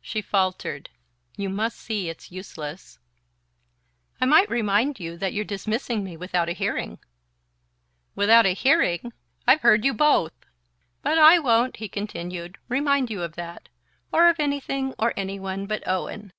She faltered: "You must see it's useless " "I might remind you that you're dismissing me without a hearing " "Without a hearing? I've heard you both!" "but I won't," he continued, "remind you of that, or of anything or any one but Owen."